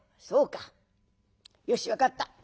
「そうかよし分かった。